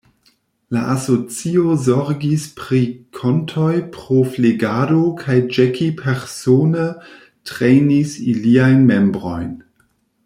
La asocio zorgis pri kontoj pro flegado kaj Jackie persone trejnis iliajn membrojn.